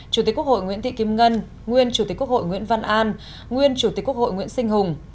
chủ tịch quốc hội nguyễn thị kim ngân nguyên chủ tịch quốc hội nguyễn văn an nguyên chủ tịch quốc hội nguyễn sinh hùng